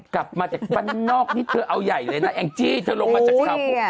กลับมาจากบ้านนอกเอาใหญ่เลยนะเอ็งจี้เธอลงมาจากชาวพุน